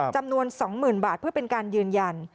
จำนวน๒๐๐๐บาทเพื่อเป็นการยืนยัน